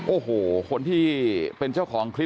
โอ้โหคนที่เป็นเจ้าของคลิป